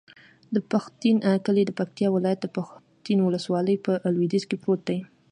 د پښتین کلی د پکتیکا ولایت، پښتین ولسوالي په لویدیځ کې پروت دی.